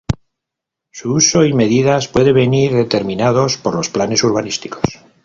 Su uso y medidas pueden venir determinados por los planes urbanísticos.